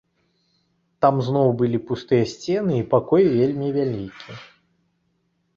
Там зноў былі пустыя сцены і пакой вельмі вялікі.